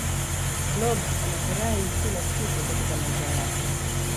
blob anafurahi kila siku katika maisha yake